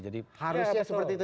jadi harusnya seperti itu